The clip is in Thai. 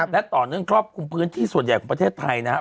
และต่อเนื่องครอบคลุมพื้นที่ส่วนใหญ่ของประเทศไทยนะครับ